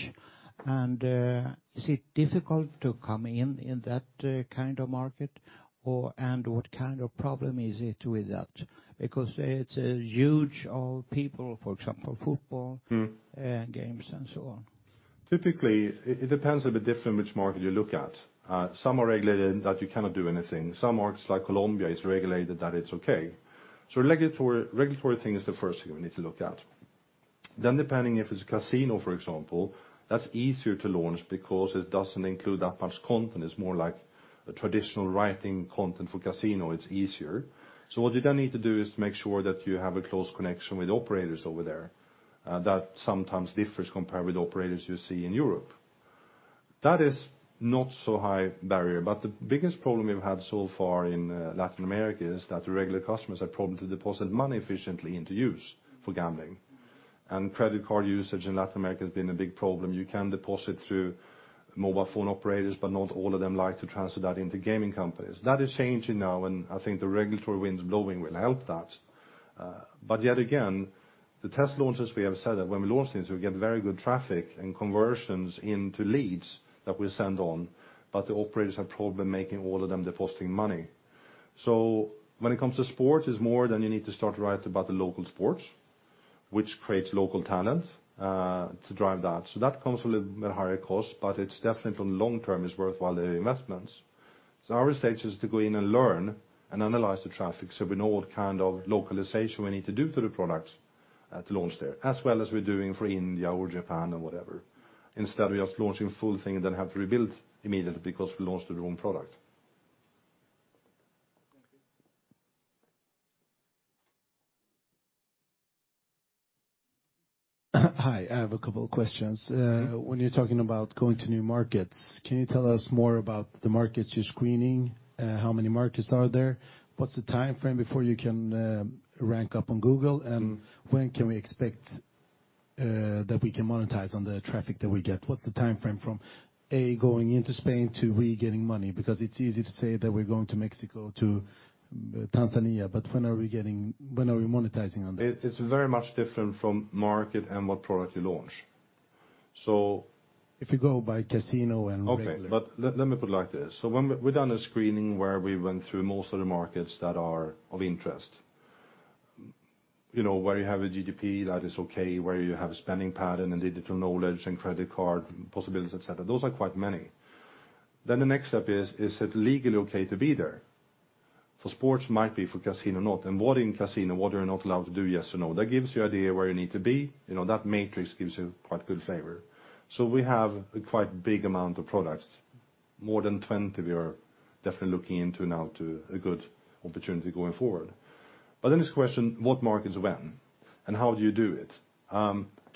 Is it difficult to come in in that kind of market, and what kind of problem is it with that? games and so on. Typically, it depends a bit different which market you look at. Some are regulated that you cannot do anything. Some markets like Colombia, it's regulated that it's okay. Regulatory thing is the first thing we need to look at. Depending if it's a casino, for example, that's easier to launch because it doesn't include that much content. It's more like a traditional writing content for casino, it's easier. What you then need to do is to make sure that you have a close connection with operators over there. That sometimes differs compared with operators you see in Europe. That is not so high barrier, but the biggest problem we've had so far in Latin America is that the regular customers have problem to deposit money efficiently into use for gambling. Credit card usage in Latin America has been a big problem. You can deposit through mobile phone operators, but not all of them like to transfer that into gaming companies. That is changing now. I think the regulatory winds blowing will help that. Yet again, the test launches, we have said that when we launch these, we get very good traffic and conversions into leads that we send on, but the operators have problem making all of them depositing money. When it comes to sport, it's more, you need to start right about the local sports, which creates local talent to drive that. That comes with a higher cost, but it's definitely from long-term is worthwhile the investments. Our stage is to go in and learn and analyze the traffic so we know what kind of localization we need to do to the product to launch there, as well as we're doing for India or Japan or whatever, instead of just launching full thing and then have to rebuild immediately because we launched the wrong product. Thank you. Hi, I have a couple questions. When you're talking about going to new markets, can you tell us more about the markets you're screening? How many markets are there? What's the timeframe before you can rank up on Google? When can we expect that we can monetize on the traffic that we get? What's the timeframe from A, going into Spain, to we getting money? Because it's easy to say that we're going to Mexico, to Tanzania, but when are we monetizing on that? It's very much different from market and what product you launch. If you go by casino and regular. Okay. Let me put it like this. We've done a screening where we went through most of the markets that are of interest. Where you have a GDP that is okay, where you have a spending pattern and digital knowledge and credit card possibilities, et cetera. Those are quite many. The next step is it legally okay to be there? For sports it might be, for casino, not. What in casino, what you're not allowed to do, yes or no? That gives you idea where you need to be. That matrix gives you quite good flavor. We have a quite big amount of products. More than 20 we are definitely looking into now to a good opportunity going forward. Then it's question, what markets when? How do you do it?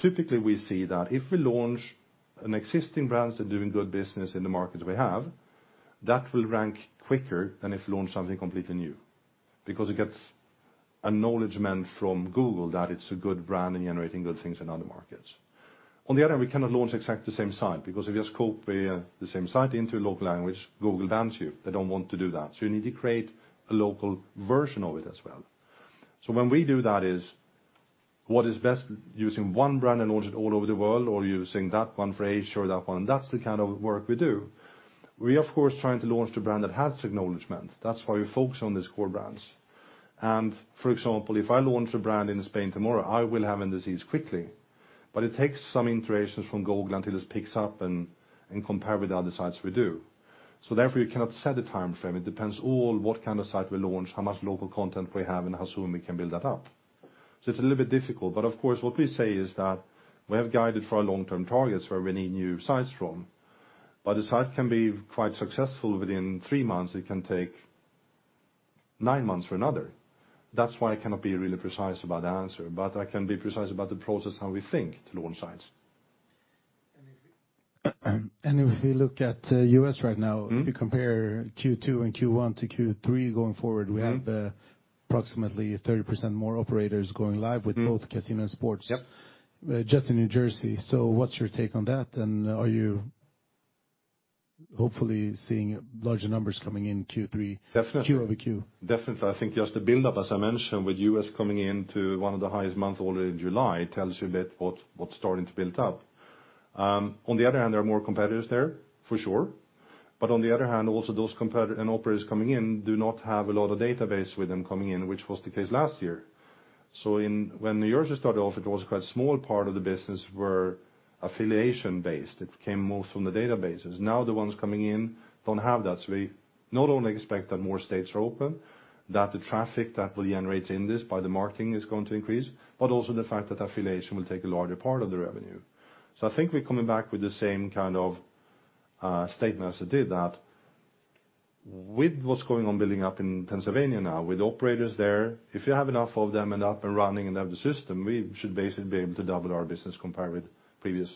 Typically, we see that if we launch an existing brands that are doing good business in the markets we have, that will rank quicker than if we launch something completely new. It gets acknowledgment from Google that it's a good brand and generating good things in other markets. On the other hand, we cannot launch exact the same site, because if you just copy the same site into a local language, Google bans you. They don't want to do that. You need to create a local version of it as well. When we do that is, what is best, using one brand and launch it all over the world or using that one for each or that one? That's the kind of work we do. We, of course, trying to launch the brand that has acknowledgment. That's why we focus on these core brands. For example, if I launch a brand in Spain tomorrow, I will have indices quickly. It takes some iterations from Google until it picks up and compare with the other sites we do. Therefore, you cannot set a timeframe. It depends all what kind of site we launch, how much local content we have, and how soon we can build that up. It's a little bit difficult, but of course, what we say is that we have guided for our long-term targets where we need new sites from. A site can be quite successful within three months, it can take nine months for another. That's why I cannot be really precise about the answer, but I can be precise about the process how we think to launch sites. If we look at U.S. right now. If you compare Q2 and Q1 to Q3 going forward. We have approximately 30% more operators going live with both casino and sports. Yep. Just in New Jersey. What's your take on that? Are you hopefully seeing larger numbers coming in Q3? Definitely. Q over Q? Definitely. I think just the buildup, as I mentioned, with U.S. coming into one of the highest months already in July tells you a bit what's starting to build up. There are more competitors there, for sure. Also those competitors and operators coming in do not have a lot of databases with them coming in, which was the case last year. When New Jersey started off, it was quite small part of the business was affiliation based. It came most from the databases. Now the ones coming in don't have that. We not only expect that more states are open, that the traffic that will generate in this by the marketing is going to increase, but also the fact that affiliation will take a larger part of the revenue. I think we're coming back with the same kind of statement as I did that with what's going on building up in Pennsylvania now, with operators there, if you have enough of them and up and running and have the system, we should basically be able to double our business compare with previous.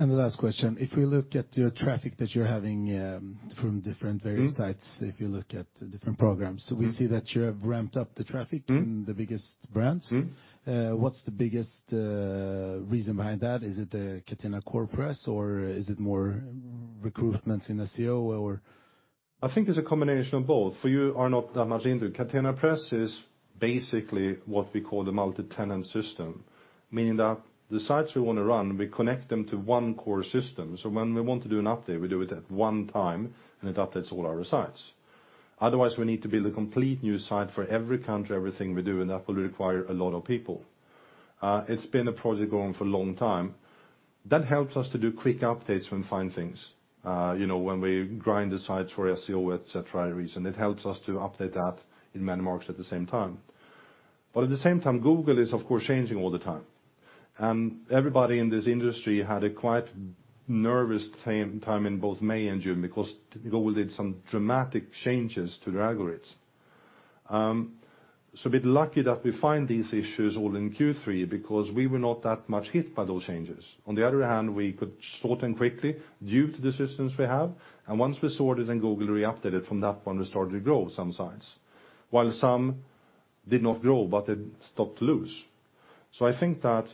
The last question. If we look at your traffic that you're having from different various sites. If you look at different programs. We see that you have ramped up the traffic. In the biggest brands. What's the biggest reason behind that? Is it the Catena Core Platform, or is it more recruitments in SEO? I think it's a combination of both. For you, are not that much into Catena Core Platform is basically what we call the multi-tenant system. Meaning that the sites we want to run, we connect them to one core system. When we want to do an update, we do it at one time, and it updates all our sites. Otherwise, we need to build a complete new site for every country, everything we do, and that will require a lot of people. It's been a project going for a long time. That helps us to do quick updates when find things. When we grind the sites for SEO, et cetera, reason. It helps us to update that in many markets at the same time. At the same time, Google is, of course, changing all the time. Everybody in this industry had a quite nervous time in both May and June because Google did some dramatic changes to the algorithms. A bit lucky that we find these issues all in Q3 because we were not that much hit by those changes. On the other hand, we could sort them quickly due to the systems we have. Once we sort it and Google re-updated from that one, we started to grow some sites. While some did not grow, but it stopped lose. So I think that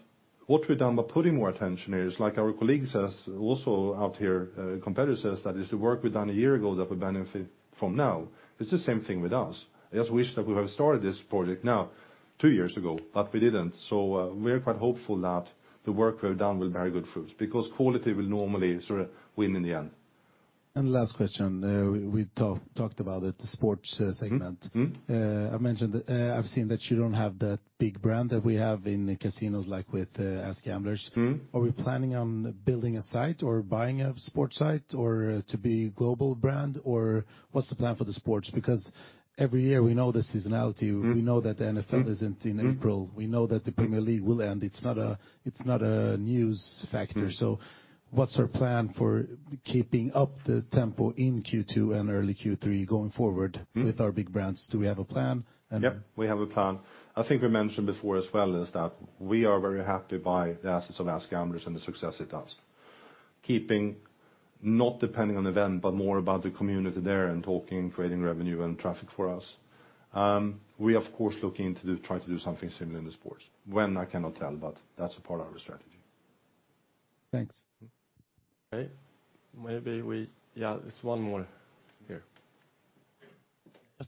what we've done by putting more attention here is, like our colleagues has also out here, competitors says that is the work we've done a year ago that we benefit from now, it's the same thing with us. I just wish that we would have started this project now two years ago, but we didn't. We are quite hopeful that the work well done will bear good fruits, because quality will normally sort of win in the end. Last question. We talked about it, the sports segment. I've seen that you don't have that big brand that we have in casinos, like with AskGamblers. Are we planning on building a site or buying a sports site to be a global brand? What's the plan for the sports? Every year we know the seasonality. we know that the NFL isn't in April, we know that the Premier League will end. It's not a news factor. What's our plan for keeping up the tempo in Q2 and early Q3 going forward? with our big brands? Do we have a plan? Yep, we have a plan. I think we mentioned before as well is that we are very happy by the assets of AskGamblers and the success it has. Keeping, not depending on event, but more about the community there and talking, creating revenue and traffic for us. We of course looking to try to do something similar in the sports. When, I cannot tell, but that's a part of our strategy. Thanks. Okay. Yeah, there's one more here.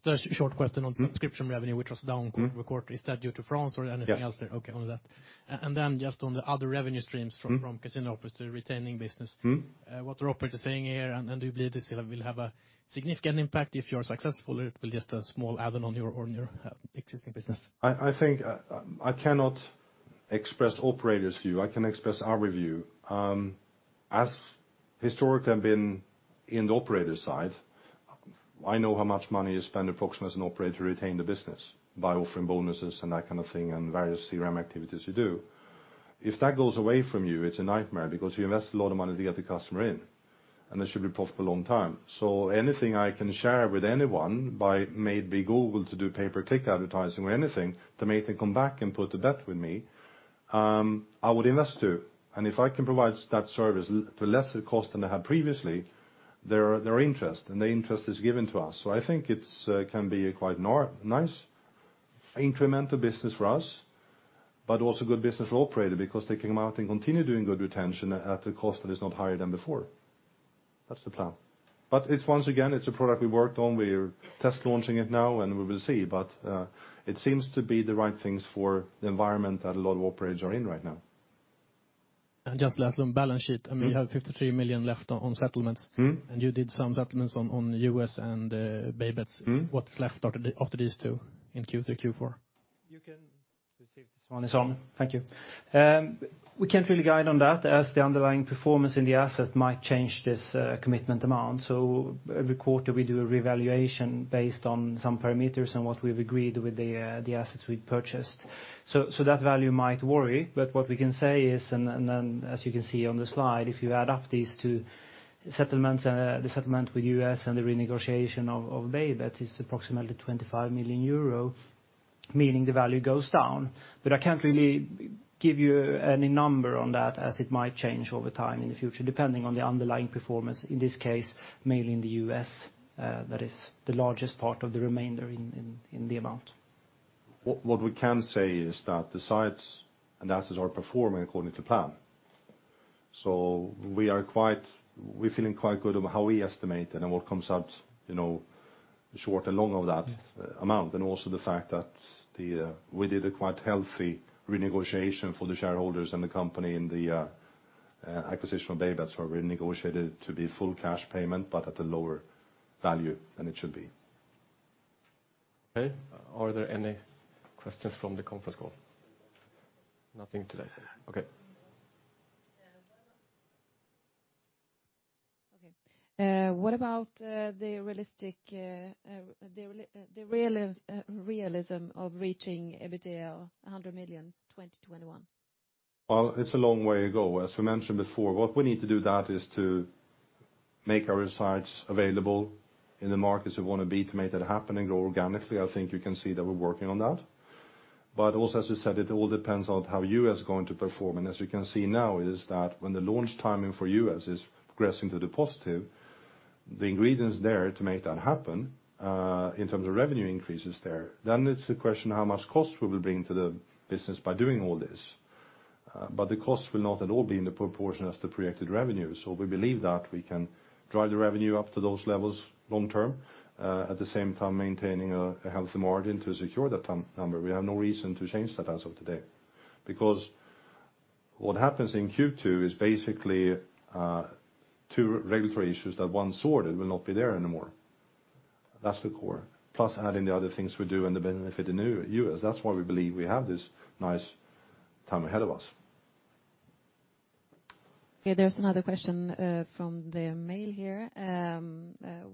Just a short question on subscription revenue, which was down quarter. Is that due to France or anything else there? Yes. Okay, only that. Just on the other revenue streams from casino office, the retaining business. What Robert is saying here, do you believe this will have a significant impact if you're successful, or it will just a small add-on on your existing business? I think I cannot express operators' view. I can express our review. As historic I've been in the operator side, I know how much money is spent approximately as an operator to retain the business by offering bonuses and that kind of thing, and various CRM activities you do. If that goes away from you, it's a nightmare because you invest a lot of money to get the customer in, and they should be profitable long time. Anything I can share with anyone by maybe Google to do pay-per-click advertising or anything to make them come back and put a bet with me, I would invest too. If I can provide that service for lesser cost than I had previously, their interest, and their interest is given to us. I think it can be a quite nice incremental business for us, but also good business for operator because they can come out and continue doing good retention at a cost that is not higher than before. That's the plan. Once again, it's a product we worked on. We're test launching it now, and we will see. It seems to be the right things for the environment that a lot of operators are in right now. Just last, on balance sheet. I mean, you have 53 million left on settlements. You did some settlements on U.S. and Baybets. What's left after these two in Q3, Q4? You can receive this one. Thank you. We can't really guide on that as the underlying performance in the assets might change this commitment amount. Every quarter we do a revaluation based on some parameters and what we've agreed with the assets we've purchased. That value might vary, but what we can say is, and then as you can see on the slide, if you add up these two settlements, the settlement with U.S. and the renegotiation of Baybets is approximately 25 million euro, meaning the value goes down. I can't really give you any number on that as it might change over time in the future, depending on the underlying performance. In this case, mainly in the U.S., that is the largest part of the remainder in the amount. What we can say is that the sites and the assets are performing according to plan. We're feeling quite good on how we estimate and what comes out short and long of that amount. Also the fact that we did a quite healthy renegotiation for the shareholders and the company in the acquisition of Baybets where we negotiated to be full cash payment, but at a lower value than it should be. Okay. Are there any questions from the conference call? Nothing today. Okay. Okay. What about the realism of reaching EBITDA 100 million 2021? Well, it's a long way to go. As we mentioned before, what we need to do that is to make our sites available in the markets we want to be to make that happen and grow organically. I think you can see that we're working on that. Also, as you said, it all depends on how U.S. is going to perform. As you can see now is that when the launch timing for U.S. is progressing to the positive, the ingredients there to make that happen, in terms of revenue increases there, then it's a question of how much cost we will bring to the business by doing all this. The cost will not at all be in the proportion as the projected revenue. We believe that we can drive the revenue up to those levels long term, at the same time maintaining a healthy margin to secure that number. We have no reason to change that as of today. What happens in Q2 is basically two regulatory issues that, once sorted, will not be there anymore. That's the core. Plus adding the other things we do and the benefit in U.S. That's why we believe we have this nice time ahead of us. Okay, there's another question from the mail here.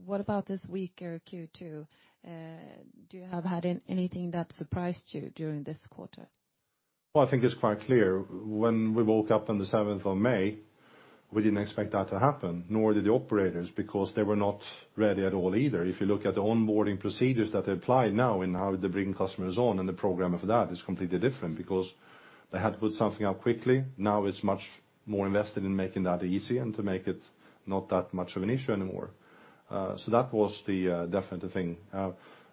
What about this weaker Q2? Do you have had anything that surprised you during this quarter? Well, I think it's quite clear. When we woke up on the 7th of May, we didn't expect that to happen, nor did the operators, because they were not ready at all either. If you look at the onboarding procedures that apply now and how they're bringing customers on, and the program of that is completely different because they had to put something up quickly. Now it's much more invested in making that easy and to make it not that much of an issue anymore. That was the definitive thing.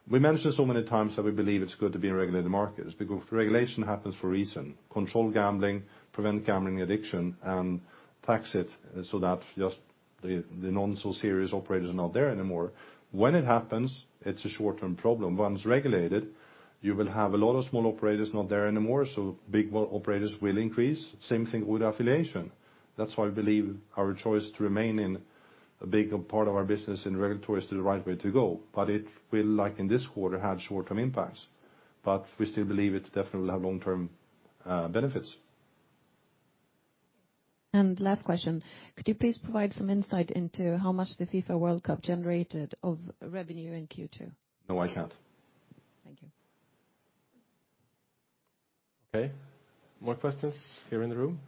We mentioned so many times that we believe it's good to be in a regulated market is because regulation happens for a reason. Control gambling, prevent gambling addiction, and tax it so that just the non-so-serious operators are not there anymore. When it happens, it's a short-term problem. Once regulated, you will have a lot of small operators not there anymore, so big operators will increase. Same thing with affiliation. That's why I believe our choice to remain in a big part of our business in regulatory is the right way to go. It will, like in this quarter, have short-term impacts. We still believe it definitely will have long-term benefits. Last question. Could you please provide some insight into how much the FIFA World Cup generated of revenue in Q2? No, I can't. Thank you. Okay. More questions here in the room?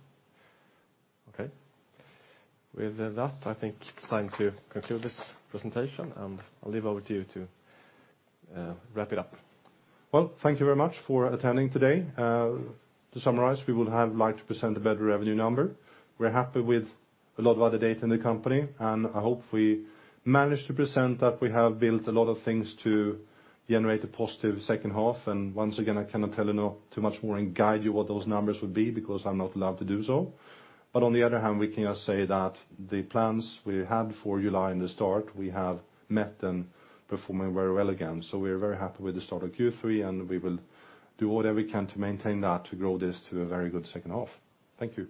Okay. With that, I think it's time to conclude this presentation, and I'll leave over to you to wrap it up. Well, thank you very much for attending today. To summarize, we would have liked to present a better revenue number. We're happy with a lot of other data in the company, and I hope we managed to present that we have built a lot of things to generate a positive second half. Once again, I cannot tell too much more and guide you what those numbers would be because I'm not allowed to do so. On the other hand, we can say that the plans we had for July in the start, we have met and performing very well again. We are very happy with the start of Q3, and we will do whatever we can to maintain that to grow this to a very good second half. Thank you.